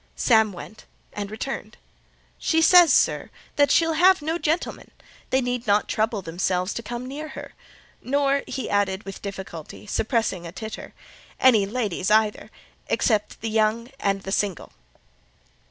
Sam went and returned. "She says, sir, that she'll have no gentlemen; they need not trouble themselves to come near her; nor," he added, with difficulty suppressing a titter, "any ladies either, except the young, and single."